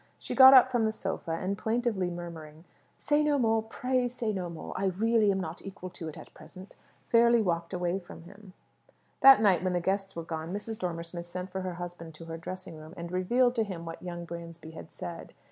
She got up from the sofa, and plaintively murmuring, "Say no more; pray say no more. I really am not equal to it at present," fairly walked away from him. That night when the guests were gone, Mrs. Dormer Smith sent for her husband to her dressing room, and revealed to him what young Bransby had said.